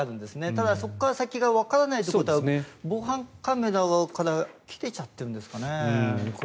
ただ、そこから先がわからないということは防犯カメラが切れちゃってるんですかね。